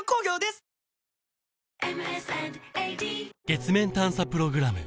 月面探査プログラム